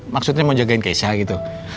maksudnya mau jagain keisha gitu